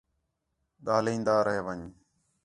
ڳاہلین٘دا رَیہ ون٘ڄ